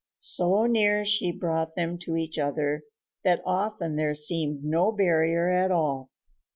So near she brought them to each other that often there seemed no barrier at all.